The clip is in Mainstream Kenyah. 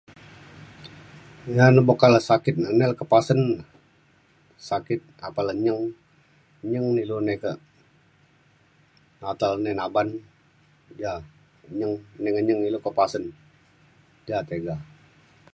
na le ke boka le sakit na nai le pasen na. sakit apan le nyeng. nyeng ne ilu nai kak ata le nai naban ja nyeng. nai ngenyeng ilu kak pasen ja tiga